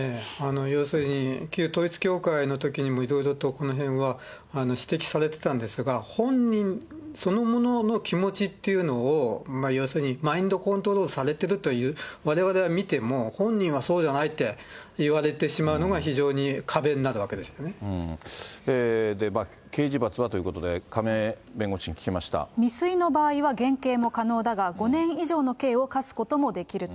要するに、旧統一教会のときにもいろいろとこのへんは指摘されてたんですが、本人そのものの気持ちっていうのを、要するにマインドコントロールされているという、われわれは見ても、本人はそうじゃないって言われてしまうのが非常に壁になるわけで刑事罰はということで、未遂の場合は減刑も可能だが、５年以上の刑を科すこともできると。